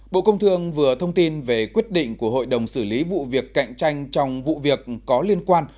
bộ công thương vừa thông tin về quyết định của hội đồng xử lý vụ việc cạnh tranh trong vụ việc có liên quan